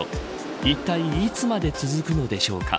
いったいいつまで続くのでしょうか。